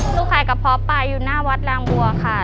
หนูขายกระเพาะปลาอยู่หน้าวัดรางบัวค่ะ